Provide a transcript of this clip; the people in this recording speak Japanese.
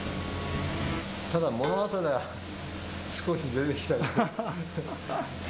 ただ、物忘れは少し出てきたけど。